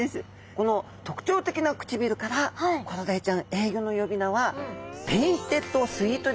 この特徴的な唇からコロダイちゃん英語の呼び名はペインテッドスイートリップスっていうんですね。